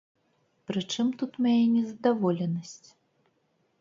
Прычым тут мая незадаволенасць?